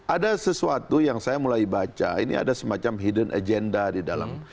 ada sesuatu yang saya mulai baca ini ada semacam hidden agenda di dalam